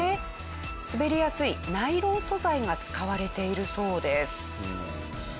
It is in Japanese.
滑りやすいナイロン素材が使われているそうです。